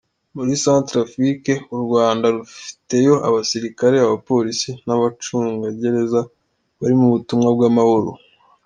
Muri Centrafrique u Rwanda rufiteyo abasirikare, abpolisi n’abacungagereza bari mu butumwa bw’amahoro.